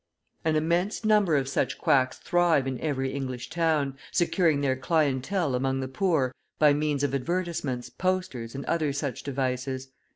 An immense number of such quacks thrive in every English town, securing their clientele among the poor by means of advertisements, posters, and other such devices.